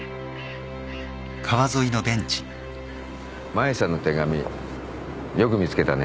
マユさんの手紙よく見つけたね。